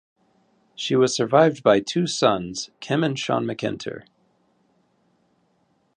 She was survived by two sons, Kim and Sean McIntyre.